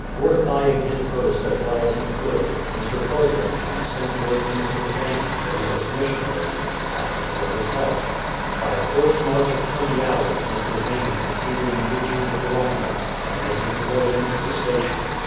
Fortifying his post as well as he could, Mr. Fotheringham sent word to Mr. Bain, the nearest missionary, asking for his help. By a forced march of twenty hours Mr. Bain succeeded in reaching Karonga and making his way into the station.